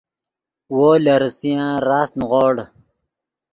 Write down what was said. وو لے ریسیان راست نیغوڑ